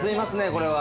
これは。